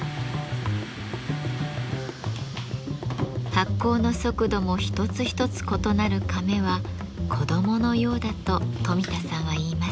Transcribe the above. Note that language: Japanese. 発酵の速度も一つ一つ異なるカメは子どものようだと富田さんはいいます。